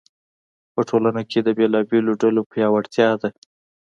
په ټولنه کې د بېلابېلو ډلو پیاوړتیا ده.